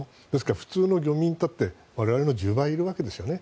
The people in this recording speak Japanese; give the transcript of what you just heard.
普通の漁民だって我々の１０倍いるわけです。